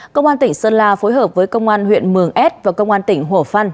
công an tỉnh sơn la phối hợp với công an huyện mường s và công an tỉnh hổ phân